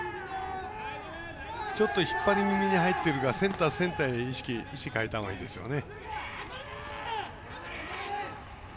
ちょっと引っ張り気味に入ってるからセンター、センターへの意識へ変えたほうがいいですね。